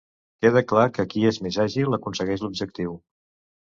Queda clar que qui és més àgil aconsegueix l’objectiu.